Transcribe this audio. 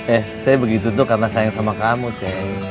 eh saya begitu tuh karena sayang sama kamu cek